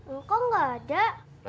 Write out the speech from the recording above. engkau gak ada